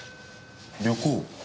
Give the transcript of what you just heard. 旅行。